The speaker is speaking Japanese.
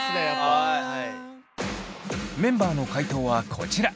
メンバーの解答はこちら。